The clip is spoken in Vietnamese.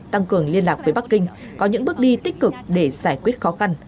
tăng cường liên lạc với bắc kinh có những bước đi tích cực để giải quyết khó khăn